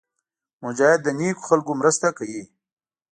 مجاهد د نېکو خلکو مرسته کوي.